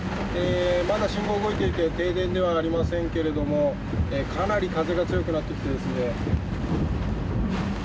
まだ信号が動いていて停電ではありませんけれどもかなり風が強くなってきてます。